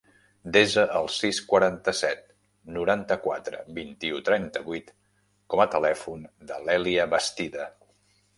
Desa el sis, quaranta-set, noranta-quatre, vint-i-u, trenta-vuit com a telèfon de l'Èlia Bastida.